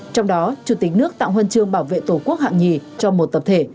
trong đó chủ tịch nước tặng huân trường bảo vệ tổ quốc hạng hai cho một tập thể